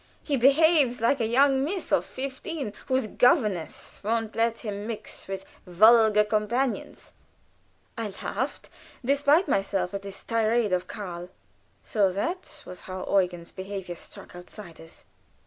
He behaves like a young miss of fifteen, whose governess won't let her mix with vulgar companions." I laughed, despite myself, at this tirade of Karl. So that was how Eugen's behavior struck outsiders!